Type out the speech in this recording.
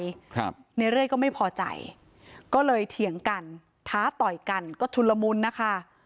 ครับในเรื่อยก็ไม่พอใจก็เลยเถียงกันท้าต่อยกันก็ชุนละมุนนะคะ